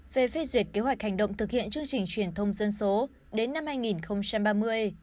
về phê duyệt kế hoạch hành động thực hiện chương trình truyền thông dân số đến năm hai nghìn ba mươi